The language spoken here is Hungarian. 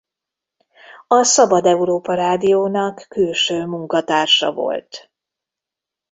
A Szabad Európa Rádiónak külső munkatársa volt.